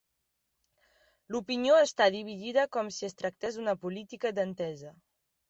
L'opinió està dividida com si es tractés d'una política d'entesa.